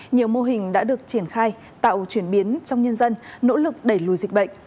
nhiều mô hình đã được triển khai tạo chuyển biến trong nhân dân nỗ lực đẩy lùi dịch bệnh